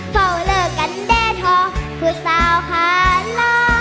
เฝ้าเลิกกันแด้ทอผู้สาวขาล้อ